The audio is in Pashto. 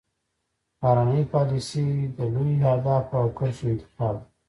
بهرنۍ پالیسي د لویو اهدافو او کرښو انتخاب دی